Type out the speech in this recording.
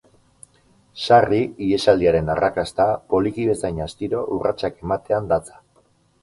Sarri, ihesaldiaren arrakasta, poliki bezain astiro urratsak ematean datza.